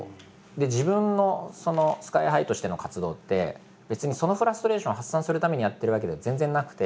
自分のＳＫＹ−ＨＩとしての活動って別にそのフラストレーションを発散するためにやってるわけでは全然なくて。